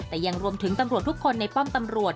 แต่ยังรวมถึงตำรวจทุกคนในป้อมตำรวจ